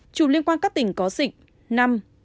bảy chủng liên quan các tỉnh có dịch năm